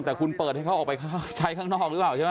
แต่คุณเปิดให้เขาออกไปใช้ข้างนอกหรือเปล่าใช่ไหม